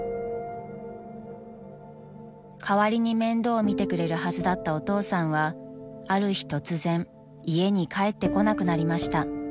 ［代わりに面倒を見てくれるはずだったお父さんはある日突然家に帰ってこなくなりました］